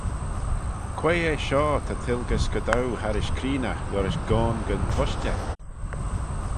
Quoi eh shoh ta tilgey scadoo harrish creenaght liorish goan gyn tushtey?